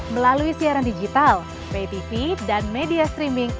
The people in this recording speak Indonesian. melalui siaran digital btv dan media streaming